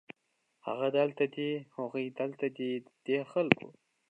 هغه دلته دی، هغوی دلته دي ، دې خلکو